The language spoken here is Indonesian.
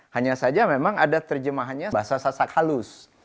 hanya saja memang ada terjemahannya sasak halus